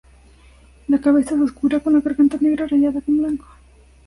La cabeza es oscura, con la garganta negra rayada con blanco.